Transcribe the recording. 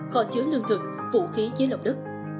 kho chứa lương thực vũ khí dưới lồng đất